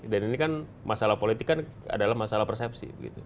dan ini kan masalah politik adalah masalah persepsi